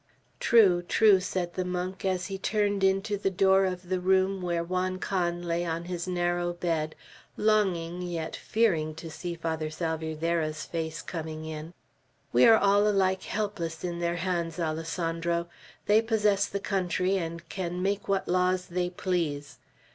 "True, true!" said the monk, as he turned into the door of the room where Juan Can lay on his narrow bed, longing yet fearing to see Father Salvierderra's face coming in. "We are all alike helpless in their hands, Alessandro. They possess the country, and can make what laws they please.